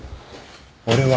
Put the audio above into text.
俺は。